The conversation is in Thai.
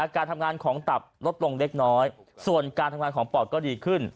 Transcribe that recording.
การทำงานของตับลดลงเล็กน้อยส่วนการทำงานของปอดก็ดีขึ้น